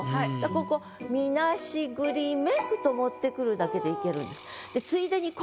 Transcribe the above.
ここ「虚栗めく」と持ってくるだけでいけるんです。